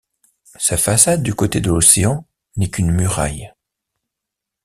Sa façade du côté de l’océan n’est qu’une muraille.